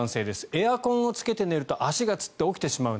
エアコンをつけて寝ると足がつって起きてしまう。